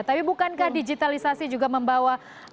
tapi bukankah digitalisasi juga membawa